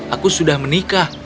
aku sudah menikah